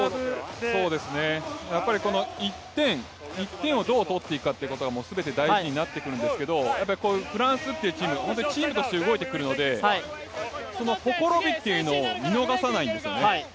この１点をどう取っていくかということが全て大事になってくるんですけどフランスっていうチーム、チームとして動いてくるのでそのほころびというのを見逃さないですよね。